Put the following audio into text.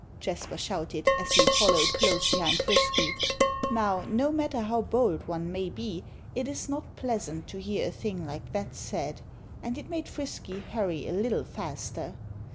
Jasper shouted, as he followed close behind Frisky. Now, no matter how bold one may be, it is not pleasant to hear a thing like that said. And it made Frisky hurry a little faster.